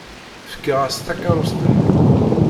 Fkiɣ-as takeṛṛust-nni.